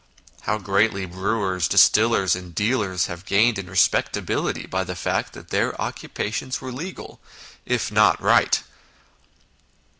How greatly brewers, distillers, and dealers have gained in respectability by the fact that their occupations were legal, if not right.